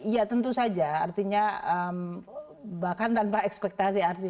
ya tentu saja artinya bahkan tanpa ekspektasi artinya